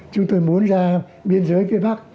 chúng tôi muốn ra biên giới phía bắc